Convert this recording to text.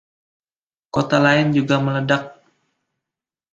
Kota lain juga meledak.